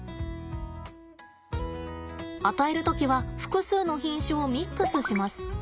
与える時は複数の品種をミックスします。